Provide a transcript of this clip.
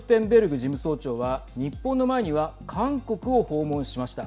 事務総長は日本の前には韓国を訪問しました。